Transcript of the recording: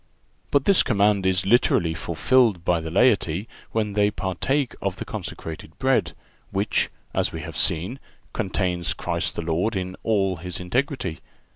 But this command is literally fulfilled by the laity when they partake of the consecrated bread, which, as we have seen, contains Christ the Lord in all His integrity.